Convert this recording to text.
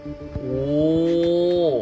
お！